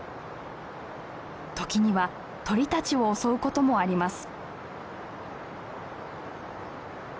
時には鳥たちを襲うこともあります。